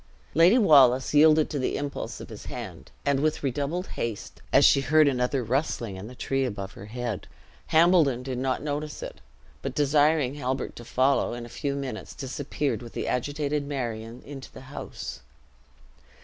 Lady Wallace yielded to the impulse of his hand, and with redoubled haste, as she heard another rustling in the tree above her head. Hambledon did not notice it; but desiring Halbert to follow, in a few minutes disappeared with the agitated Marion into the house.